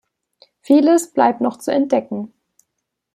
Vieles bleibt noch zu entdecken.